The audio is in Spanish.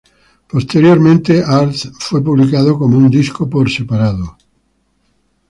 Posteriormente, "Arc" fue publicado como un disco por separado.